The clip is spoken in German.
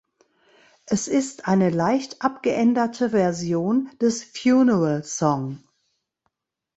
Es ist eine leicht abgeänderte Version des "Funeral Song".